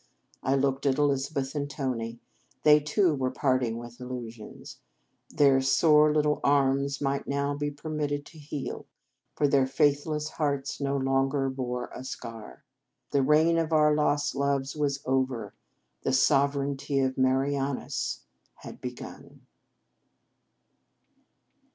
I looked at Elizabeth and Tony. They, too, were parting with illusions. Their sore little arms might now be permitted to heal, for their faithless hearts no longer bore a scar. The reign of our lost loves was over. The sovereignty of Marianus had begun.